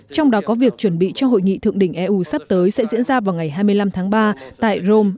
trong đó có việc chuẩn bị cho hội nghị thượng đỉnh eu sắp tới sẽ diễn ra vào ngày hai mươi năm tháng ba tại rome